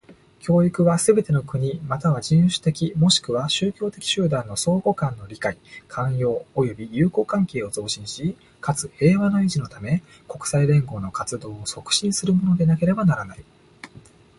教育は、すべての国又は人種的若しくは宗教的集団の相互間の理解、寛容及び友好関係を増進し、かつ、平和の維持のため、国際連合の活動を促進するものでなければならない。